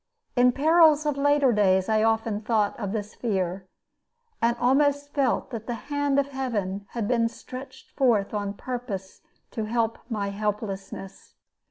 In perils of later days I often thought of this fear, and almost felt that the hand of Heaven had been stretched forth on purpose to help my helplessness.